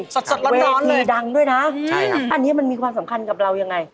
สดร้อนเลยอันนี้มันมีความสำคัญกับเรายังไง